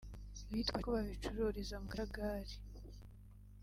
bitwaje ko babicururiza mu kajagari